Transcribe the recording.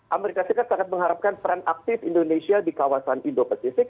amerika serikat sangat mengharapkan peran aktif indonesia di kawasan indo pacific